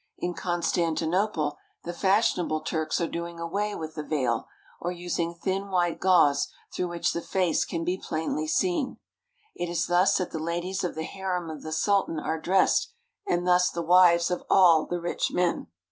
In Constantinople the fashionable Turks are doing away with the veil or using thin white gauze through which the face can be plainly seen. It is thus that the ladies of the harem of the Sultan are dressed, and thus the wives of all the rich men.